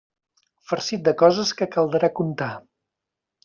Farcit de coses que caldrà contar.